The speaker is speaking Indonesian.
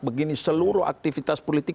begini seluruh aktivitas politik